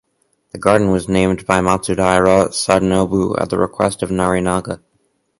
The garden was named by Matsudaira Sadanobu at the request of Narinaga.